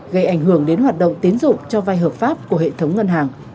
gây ảnh hưởng đến hoạt động tiến dụng cho vai hợp pháp của hệ thống ngân hàng